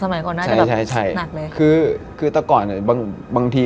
อะไรงี้